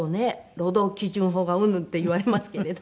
労働基準法がうんぬんって言われますけれど。